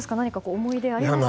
思い出はありますか？